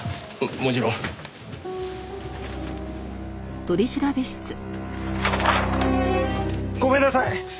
もちろん。ごめんなさい！